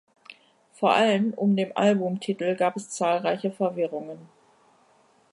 Vor allem um den Albumtitel gab es zahlreiche Verwirrungen.